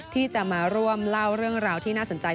ที่จะมาร่วมเล่าเรื่องราวที่น่าสนใจ